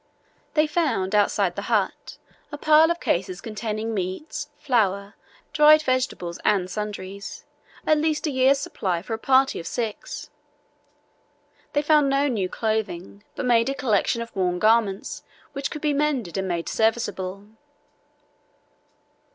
They found outside the hut a pile of cases containing meats, flour, dried vegetables, and sundries, at least a year's supply for a party of six. They found no new clothing, but made a collection of worn garments, which could be mended and made serviceable.